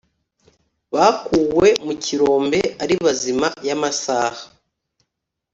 Bakuwe mu kirombe ari bazima y’amasaha